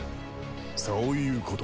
そういうこと。